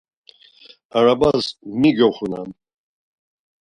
Arabas mi gyoxunam?